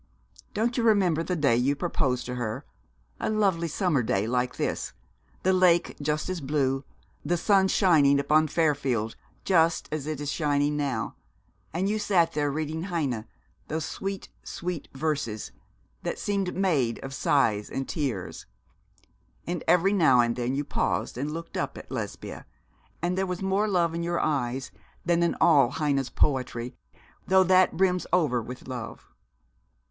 Don't you remember the day you proposed to her a lovely summer day like this, the lake just as blue, the sun shining upon Fairfield just as it is shining now, and you sat there reading Heine those sweet, sweet verses, that seemed made of sighs and tears; and every now and then you paused and looked up at Lesbia, and there was more love in your eyes than in all Heine's poetry, though that brims over with love.'